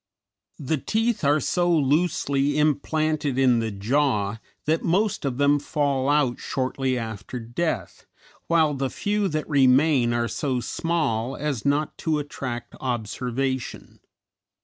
The teeth are so loosely implanted in the jaw that most of them fall out shortly after death, while the few that remain are so small as not to attract observation.